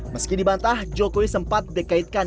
meski dibantah jokowi sempat dikaitkan